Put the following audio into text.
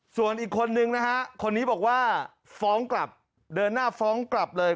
ส่วนอีกคนนึงนะฮะคนนี้บอกว่าฟ้องกลับเดินหน้าฟ้องกลับเลย